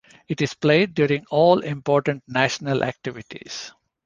It is played during all important National activities.